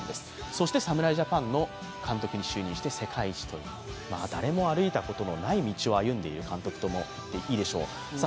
そして侍ジャパンの監督に就任して世界一という誰も歩いたことのない道を歩んでいると言ってもいいでしょう。